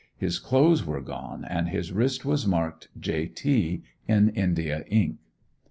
His clothes were gone and his wrist was marked "J. T." in India ink.